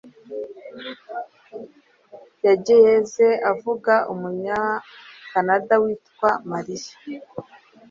yigeze avuga umunyakanada witwa Mariya?